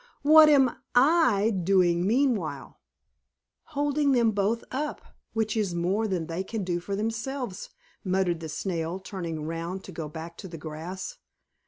What am I doing meanwhile?" "Holding them both up, which is more than they can do for themselves," muttered the Snail, turning round to go back to the grass.